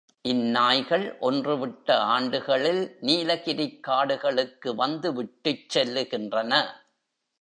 இந் நாய்கள் ஒன்று விட்ட ஆண்டுகளில் நீலகிரிக் காடுகளுக்கு வந்து விட்டுச் செல்லுகின்றன.